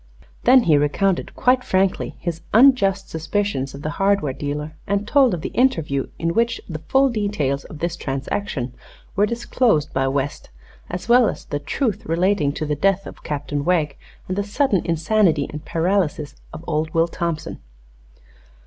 Then he recounted, quite frankly, his unjust suspicions of the hardware dealer, and told of the interview in which the full details of this transaction were disclosed by West, as well as the truth relating to the death of Captain Wegg and the sudden insanity and paralysis of old Will Thompson.